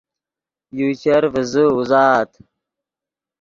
یو چر ڤیزے اوزات